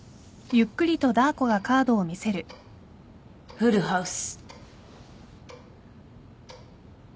フルハウス。